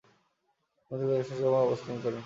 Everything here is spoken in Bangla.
তিনি অধিকাংশ সময় অবস্থান করেন।